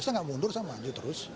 saya nggak mundur saya maju terus